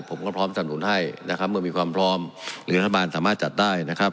ผมก็พร้อมสั่นหนุนให้เมื่อมีความพร้อมหรืออัฐบาลสามารถจัดได้